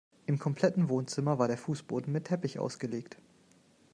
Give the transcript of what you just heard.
Im kompletten Wohnzimmer war der Fußboden mit Teppich ausgelegt.